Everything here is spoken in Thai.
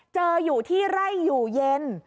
เจออยู่ที่ไร่อยู่เย็น